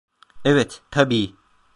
Evet, tabii.